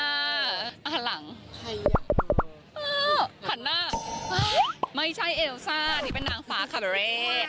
หันหลังเออหันหน้าไม่ใช่เอลซ่านี่เป็นนางฟ้าคาเบเร่